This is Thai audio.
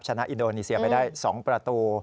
ชนะอินโดนีเซียไปได้๒ประตู